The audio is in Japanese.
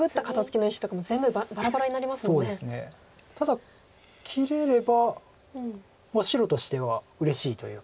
ただ切れれば白としてはうれしいというか。